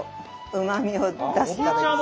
うまみを出すためです。